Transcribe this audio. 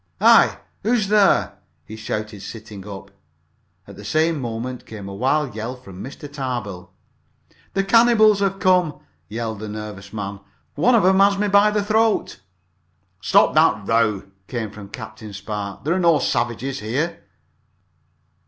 "Hi! who is there?" he shouted, sitting up. At the same moment came a wild yell from Mr. Tarbill. "The cannibals have come!" yelled the nervous man. "One of 'em has me by the throat!" "Stop that row!" came from Captain Spark. "There are no savages here!"